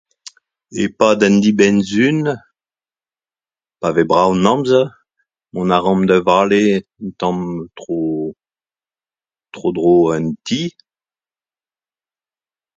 E pad an dibenn-sizhun, pa vez brav an amzer, mont a reomp da vale, tamm tro, tro dro an ti